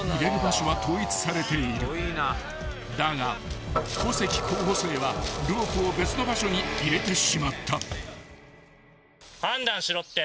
［だが小関候補生はロープを別の場所に入れてしまった］